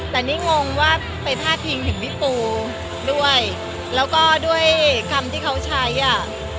แต่นี่งงว่าไปพาดพิงถึงพี่ปูด้วยแล้วก็ด้วยคำที่เขาใช้อ่ะ